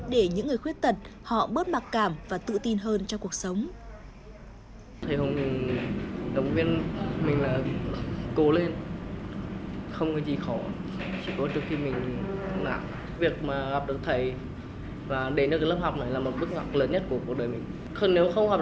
để những người khuyết tật họ bớt mặc cảm và tự tin hơn cho cuộc sống